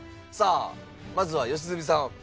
さあまずは良純さん。